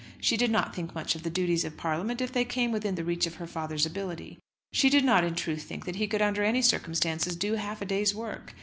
She did not think much of the duties of Parliament, if they came within the reach of her father's ability. She did not in truth think that he could under any circumstances do half a day's work.